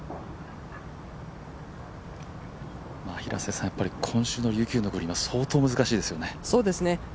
平瀬さん、今週の琉球の上りは相当難しいですよね。